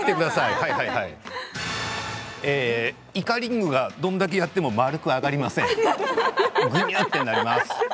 イカリングがどれだけやっても丸く揚がりません。